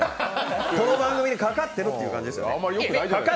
この番組にかかってるって感じですよ。